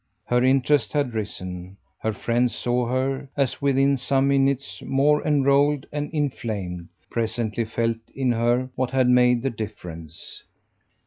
Her interest had risen; her friend saw her, as within some minutes, more enrolled and inflamed presently felt in her what had made the difference.